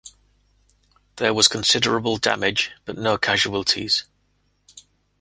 There was considerable damage but no casualties.